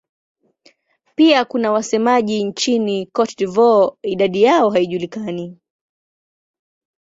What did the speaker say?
Pia kuna wasemaji nchini Cote d'Ivoire; idadi yao haijulikani.